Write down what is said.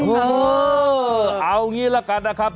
เออเอางี้ล่ะกันนะครับ